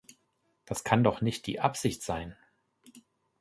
Das kann doch nicht die Absicht sein!